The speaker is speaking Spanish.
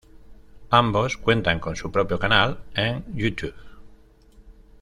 Ambas cuentan con su propio canal en YouTube.